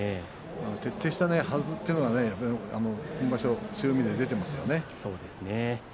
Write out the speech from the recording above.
徹底したはずというのが今場所、強みで出ていますね。